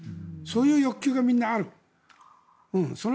そういう欲求がみんなある。